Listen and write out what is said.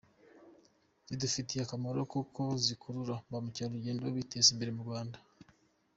Zidufitiye akamaro kuko zikurura ba mukerarugendo bateza imbere u Rwanda.